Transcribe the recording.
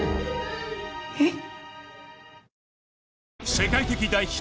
えっ？